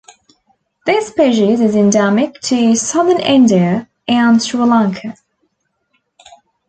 This species is endemic to southern India and Sri Lanka.